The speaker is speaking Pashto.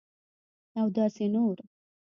اوداسي نور